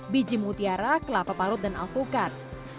biji mutiara kelapa parut dan alpukat